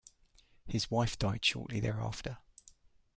His wife died shortly thereafter.